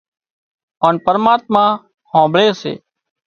هانَ پرماتما هانڀۯي سي